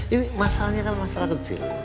ini masalahnya kan masalah kecil